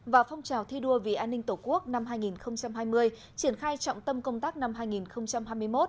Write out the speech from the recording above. và phong trào thi đua vì an ninh tổ quốc năm hai nghìn hai mươi triển khai trọng tâm công tác năm hai nghìn hai mươi một